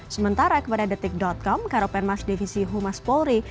sementara kepada detik com karopenmas divisi humas polri